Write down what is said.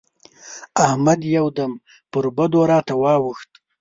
احمد يو دم پر بدو راته واووښت.